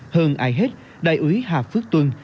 hơn ai hết đại úy hà phước tuân